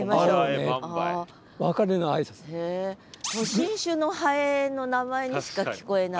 新種のハエの名前にしか聞こえない。